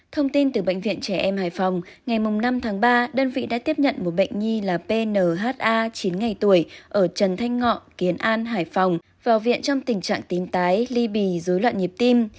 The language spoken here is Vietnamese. thông tin từ bệnh viện trẻ em hải phòng ngày năm tháng ba đơn vị đã tiếp nhận một bệnh nhi là pha chín ngày tuổi ở trần thanh ngọ kiến an hải phòng vào viện trong tình trạng tím tái ly bì dối loạn nhịp tim